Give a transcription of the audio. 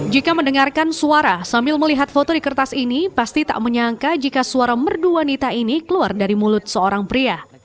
jika mendengarkan suara sambil melihat foto di kertas ini pasti tak menyangka jika suara merdu wanita ini keluar dari mulut seorang pria